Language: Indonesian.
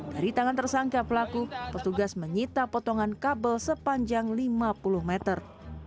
dari tangan tersangka pelaku petugas menyita potongan kabel sepanjang lima puluh meter